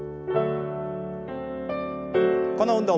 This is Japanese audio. この運動